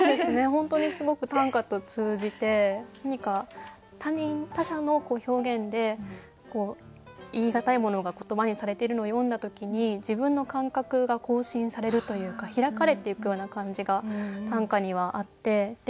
本当にすごく短歌と通じて何か他者の表現で言いがたいものが言葉にされているのを読んだ時に自分の感覚が更新されるというかひらかれていくような感じが短歌にはあって。